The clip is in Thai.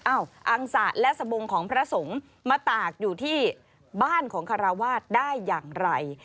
อังสะและสบงของพระสงฆ์มาตากอยู่ที่บ้านของคาราวาสได้อย่างไร